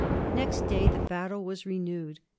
Next day the battle was renewed.